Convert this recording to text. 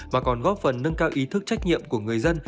mà còn góp phần nâng cao ý thức trách nhiệm của người dân